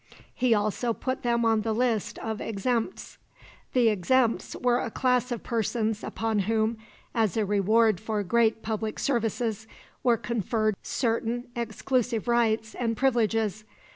He also put them on the list of exempts. The exempts were a class of persons upon whom, as a reward for great public services, were conferred certain exclusive rights and privileges.